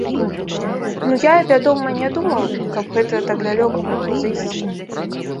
Ну, я, вядома, не думаў, каб гэта так далёка магло зайсці.